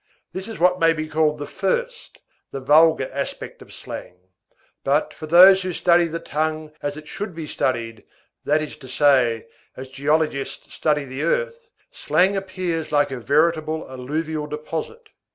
This is what may be called the first, the vulgar aspect of slang. But, for those who study the tongue as it should be studied, that is to say, as geologists study the earth, slang appears like a veritable alluvial deposit.